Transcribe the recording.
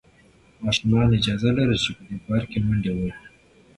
ماشومان اجازه لري چې په دې پارک کې منډې ووهي.